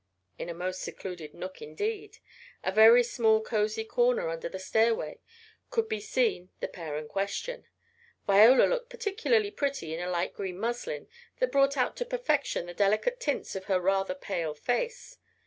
In a most secluded nook indeed, a very small cozy corner under the stairway, could be seen the pair in question. Viola looked particularly pretty in a light green muslin that brought out to perfection the delicate tints of her rather pale face.